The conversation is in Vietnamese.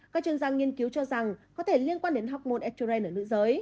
các chuyên gia nghiên cứu cho rằng có thể liên quan đến học môn ethran ở nữ giới